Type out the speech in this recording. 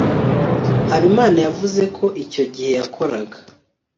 habimana yavuze ko icyo gihe yakoraga